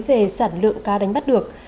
về sản lượng cá đánh bắt được